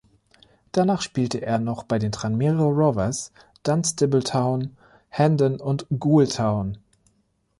Danach spielte er noch bei den Tranmere Rovers, Dunstable Town, Hendon und Goole Town.